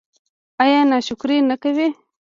ایا ناشکري نه کوئ؟